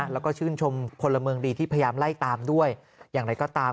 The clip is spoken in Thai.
แล้วก็ชื่นชมพลเมืองดีที่พยายามไล่ตามด้วยอย่างไรก็ตาม